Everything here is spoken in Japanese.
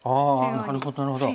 なるほどなるほど。